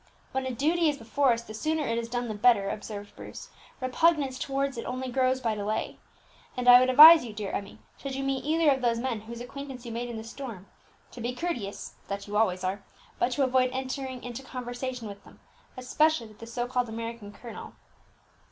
"When a duty is before us, the sooner it is done the better," observed Bruce; "repugnance towards it only grows by delay. And I would advise you, dear Emmie, should you meet either of those men whose acquaintance you made in the storm, to be courteous that you always are but to avoid entering into conversation with them, especially with the so called American colonel."